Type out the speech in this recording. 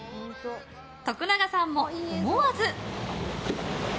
徳永さんも思わず。